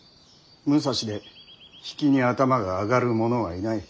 武蔵で比企に頭が上がる者はいない。